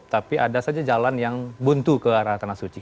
tapi ada saja jalan yang buntu ke arah tanah suci